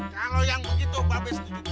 kalau yang begitu babes tujuh tiga kerusik